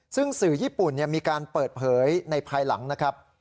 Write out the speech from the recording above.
ซึ่งสื่อญี่ปุ่นมีการเปิดเผยในภายหลังนะครับ